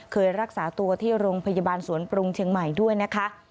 เคยรักษาตัวที่โรงพยาบาลสวนปรุงเชียงใหม่ด้วยนะคะ